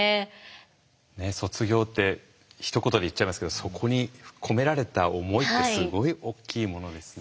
卒業ってひと言で言っちゃいますけどそこに込められた思いってすごいおっきいものですね。